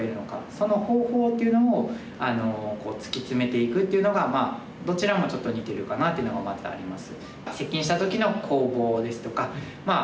その方法っていうのを突き詰めていくっていうのがどちらもちょっと似てるかなというのがまずあります。